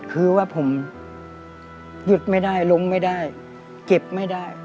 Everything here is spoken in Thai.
คือว่าผมหยุดไม่ได้ลงไม่ได้เก็บไม่ได้